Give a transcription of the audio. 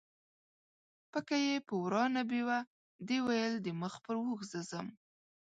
پکه یې په وراه نه بیوه، دې ویل د مخ پر اوښ زه ځم